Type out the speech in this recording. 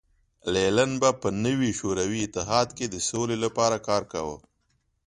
لینین به په نوي شوروي اتحاد کې د سولې لپاره کار کاوه